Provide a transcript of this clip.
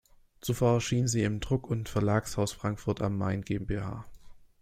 Zuvor erschien sie im Druck- und Verlagshaus Frankfurt am Main GmbH.